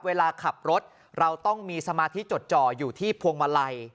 เวลาขับรถเราต้องมีสมาธิจดจ่ออยู่ที่พวงมาลัย